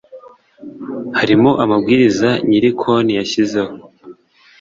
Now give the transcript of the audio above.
harimo amabwiriza nyiri konti yashizeho